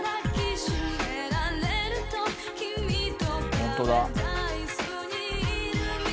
本当だ。